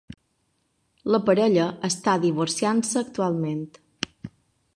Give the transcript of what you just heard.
La parella està divorciant-se actualment.